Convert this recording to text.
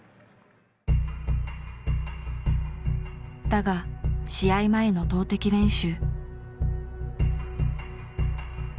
だが試合前の投てき練習。